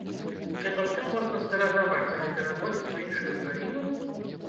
Гэта ўсё можна стыражаваць, але перавозіць у іншую краіну?